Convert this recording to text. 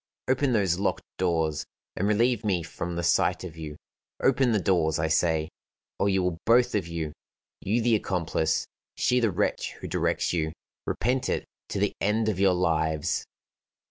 Open those locked doors, and relieve me from the sight of you. Open the doors, I say, or you will both of you you the accomplice, she the wretch who directs you repent it to the end of your lives."